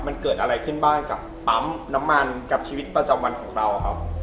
มันเกิดอะไรขึ้นบ้างกับปั๊มน้ำมันกับชีวิตประจำวันของเราครับ